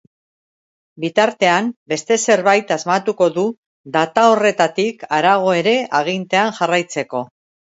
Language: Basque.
Bitartean beste zerbait asmatuko du data horretatik harago ere agintean jarraitzeko.